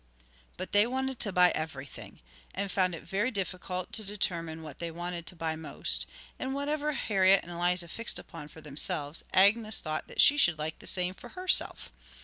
But they wanted to buy everything, and found it very difficult to determine what they wanted to buy most; and whatever Harriet and Eliza fixed upon for themselves, Agnes thought that she should like the same for herself.